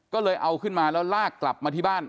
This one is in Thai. ก็เลยเอาขึ้นมาแล้วลากกลับมาที่บ้าน